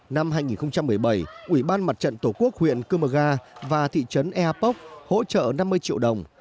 năm hai nghìn một mươi bảy ủy ban mặt trận tổ quốc huyện cư mơ ga và thị trấn eapok hỗ trợ năm mươi triệu đồng